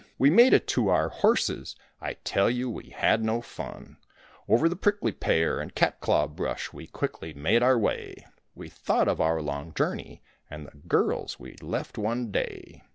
We made it to our horses; I tell you, we had no fun; Over the prickly pear and catclaw brush we quickly made our way; We thought of our long journey and the girls we'd left one day.